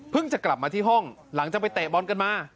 จะกลับมาที่ห้องหลังจากไปเตะบอลกันมา